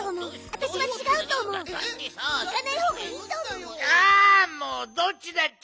あもうどっちだっちゃ！